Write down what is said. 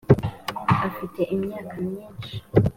afite imyaka myishi.